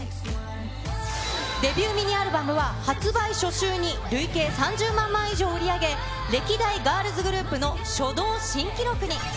デビューミニアルバムは、発売初週に累計３０万枚以上を売り上げ、歴代ガールズグループの初動新記録に。